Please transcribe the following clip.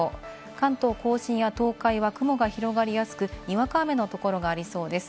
関東甲信や東海は雲が広がりやすく、にわか雨のところがありそうです。